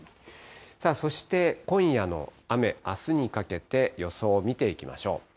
さあそして今夜の雨、あすにかけて予想を見ていきましょう。